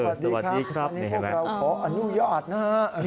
สวัสดีครับวันนี้พวกเราขออนุญาตนะฮะ